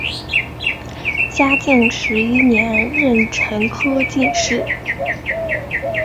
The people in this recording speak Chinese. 嘉靖十一年壬辰科进士。